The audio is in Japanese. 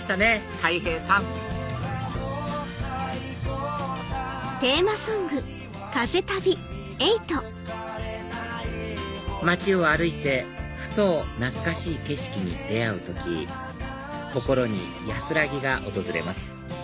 たい平さん街を歩いてふと懐かしい景色に出会う時心に安らぎが訪れます